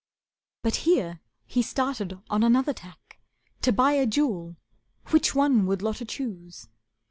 But here he started on another tack; To buy a jewel, which one would Lotta choose.